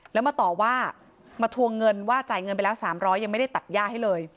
แล้วมาต่อว่ามาทวงเงินว่าจ่ายเงินไปแล้ว๓๐๐ยังไม่ได้ตัดย่าให้เลย